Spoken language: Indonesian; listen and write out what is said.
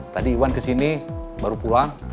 tadi iwan kesini baru pulang